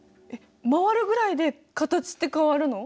回るぐらいで形って変わるの？